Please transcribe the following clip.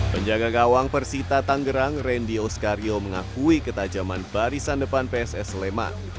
penjaga gawang persita tanggerang randy oskario mengakui ketajaman barisan depan pss sleman